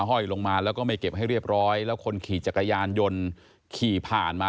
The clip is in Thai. ห้อยลงมาแล้วก็ไม่เก็บให้เรียบร้อยแล้วคนขี่จักรยานยนต์ขี่ผ่านมา